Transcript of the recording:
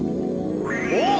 おっ！